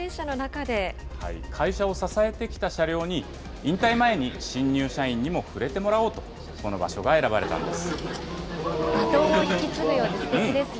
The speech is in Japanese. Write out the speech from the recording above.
会社を支えてきた車両に、引退前に新入社員にも触れてもらおうと、この場所が選ばれたんです。